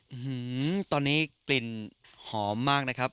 อืมตอนนี้กลิ่นหอมมากนะครับ